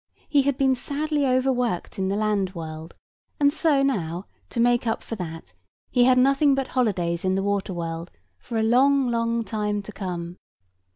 He had been sadly overworked in the land world; and so now, to make up for that, he had nothing but holidays in the water world for a long, long time to come.